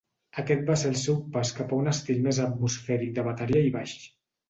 Aquest va ser el seu pas cap a un estil més atmosfèric de bateria i baix.